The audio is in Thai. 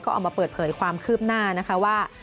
ออกมาเปิดเผยความคืบหน้านะคะว่า